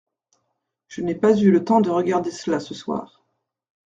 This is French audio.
Je n’ai pas eu le temps de regarder cela ce soir.